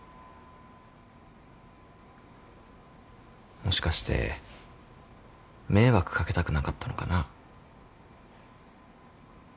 もしかして迷惑かけたくなかったのかな？